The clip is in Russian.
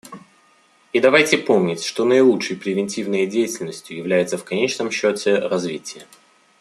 И давайте помнить, что наилучшей превентивной деятельностью является в конечном счете развитие.